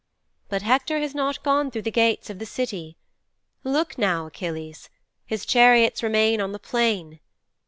"' '"But Hector has not gone through the gates of the City. Look now, Achilles! His chariots remain on the plain.